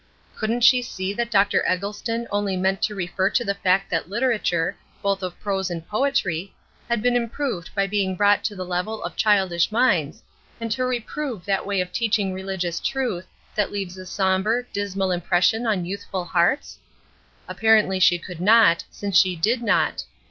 Couldn't she see that Dr. Eggleston only meant to refer to the fact that literature, both of prose and poetry, had been improved by being brought to the level of childish minds, and to reprove that way of teaching religious truth, that leaves a somber, dismal impression on youthful hearts? Apparently she could not, since she did not.